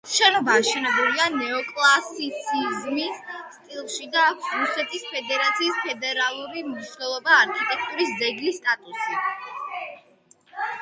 შენობა აშენებულია ნეოკლასიციზმის სტილში და აქვს რუსეთის ფედერაციის ფედერალური მნიშვნელობის არქიტექტურის ძეგლის სტატუსი.